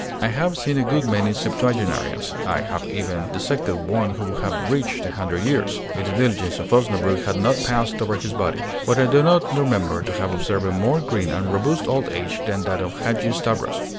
I have seen a good many septuagenarians; I have even dissected one who would have reached a hundred years, if the diligence of Osnabrück had not passed over his body: but I do not remember to have observed a more green and robust old age than that of Hadgi Stavros.